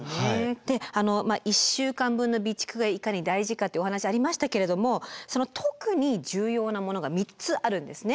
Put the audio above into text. で１週間分の備蓄がいかに大事かというお話ありましたけれどもその特に重要なものが３つあるんですね。